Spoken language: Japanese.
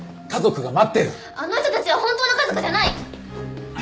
あの人たちは本当の家族じゃない！